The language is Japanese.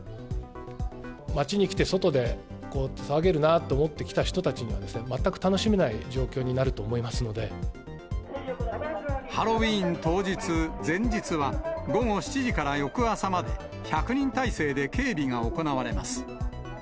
街に来て、外で騒げるなと思って来た人には、全く楽しめない状況になると思いハロウィーン当日、前日は、午後７時から翌朝まで、１００人態勢で警備が行われます。